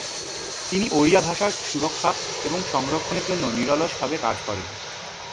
তিনি ওড়িয়া ভাষার সুরক্ষা এবং সংরক্ষণের জন্য নিরলসভাবে কাজ করেন।